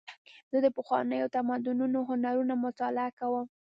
زه د پخوانیو تمدنونو هنرونه مطالعه کوم.